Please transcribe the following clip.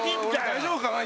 「大丈夫かな？